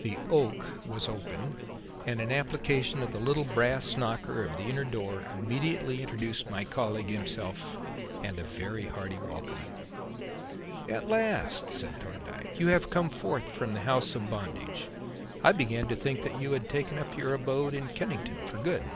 The "oak" was open and an application of the little brass knocker of the inner door immediately produced my colleague himself and a very hearty welcome. "At last," said Thorndyke, "you have come forth from the house of bondage. I began to think that you had taken up your abode in Kennington for good."